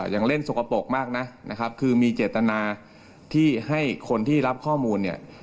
ยังเล่นสกปรกมากนะคือมีเจตนาที่ให้คนที่รับข้อมูล